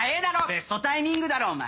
ベストタイミングだろお前！